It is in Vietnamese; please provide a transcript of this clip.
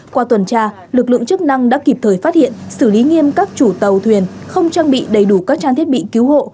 qua tuần tra lực lượng chức năng đã kịp thời phát hiện xử lý nghiêm các chủ tàu thuyền không trang bị đầy đủ các trang thiết bị cứu hộ